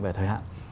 về thời hạn